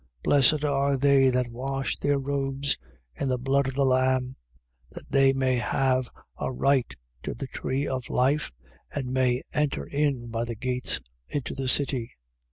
22:14. Blessed are they that wash their robes in the blood of the Lamb: that they may have a right to the tree of life and may enter in by the gates into the city.